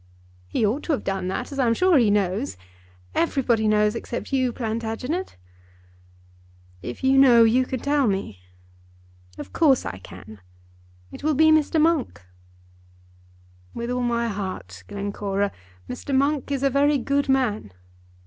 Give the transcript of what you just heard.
"He ought to have done that, as I am sure he knows. Everybody knows except you, Plantagenet." "If you know, you can tell me." "Of course, I can. It will be Mr. Monk." "With all my heart, Glencora. Mr. Monk is a very good man."